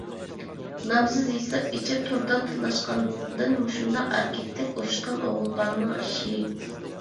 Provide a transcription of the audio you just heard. نامسىز ھېساپ ئېچىپ توردا تىللاشقاندىن مۇشۇنداق ئەركەكتەك ئۇرۇشقان ئوغۇل بالىنىڭ ئىشى.